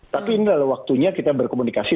tapi ini adalah waktunya kita berkomunikasi